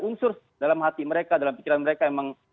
unsur dalam hati mereka dalam pikiran mereka memang